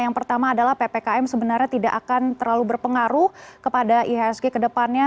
yang pertama adalah ppkm sebenarnya tidak akan terlalu berpengaruh kepada ihsg ke depannya